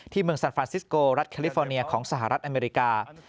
เมืองซานฟรานซิสโกรัฐแคลิฟอร์เนียของสหรัฐอเมริกา